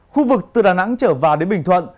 khu vực từ đà nẵng trở vào đến bình thuận